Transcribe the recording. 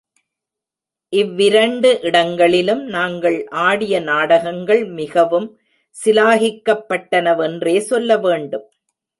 இவ்விரண்டு இடங்களிலும் நாங்கள் ஆடிய நாடகங்கள் மிகவும் சிலாகிக்கப்பட்டனவென்றே சொல்ல வேண்டும்.